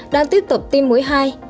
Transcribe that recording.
đang tiếp tục tiêm mũi hai